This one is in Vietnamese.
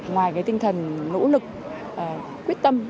ngoài tinh thần nỗ lực quyết tâm